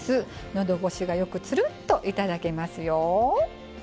のどごしがよくつるっといただけますよ。